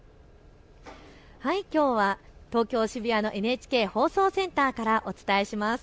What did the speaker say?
きょうは東京渋谷のＮＨＫ放送センターからお伝えします。